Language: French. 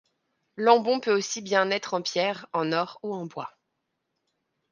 L'ambon peut aussi bien être en pierre, en or ou en bois.